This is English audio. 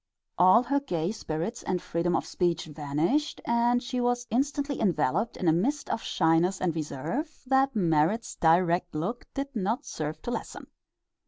All her gay spirits and freedom of speech vanished, and she was instantly enveloped in a mist of shyness and reserve that Merrit's direct look did not serve to lessen.